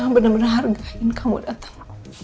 nah bener bener hargain kamu datang